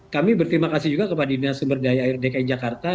kami berterima kasih juga kepada dinas sumber daya air dki jakarta